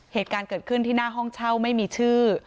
เหตุการณ์เกิดขึ้นที่หน้าห้องเช่าไม่มีชื่อ